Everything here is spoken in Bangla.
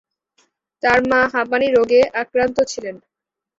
তার মা হাঁপানি রোগে আক্রান্ত ছিলেন।